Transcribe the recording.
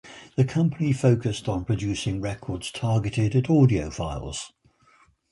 The company focused on producing records targeted at audiophiles.